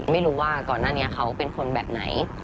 ไม่รู้ว่าก่อนหน้านี้เขาเป็นคนแบบไหน